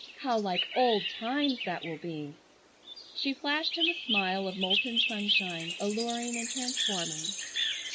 How like old times that will be!" She flashed him a smile of molten sunshine, alluring and transforming.